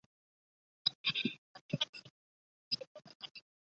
蔡突灵在南昌鸭子塘秘密设立中国同盟会支部。